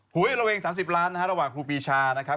วยระเวง๓๐ล้านนะฮะระหว่างครูปีชานะครับ